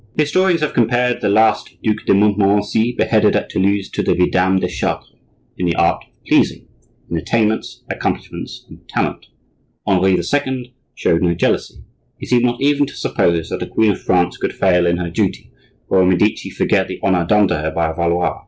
Historians have compared the last Duc de Montmorency, beheaded at Toulouse, to the Vidame de Chartres, in the art of pleasing, in attainments, accomplishments, and talent. Henri II. showed no jealousy; he seemed not even to suppose that a queen of France could fail in her duty, or a Medici forget the honor done to her by a Valois.